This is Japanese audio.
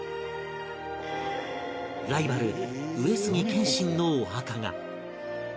ライバル上杉謙信のお墓が